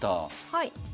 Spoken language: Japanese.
はい。